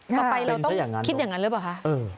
ต่อไปเราต้องคิดอย่างนั้นหรือเปล่าคะ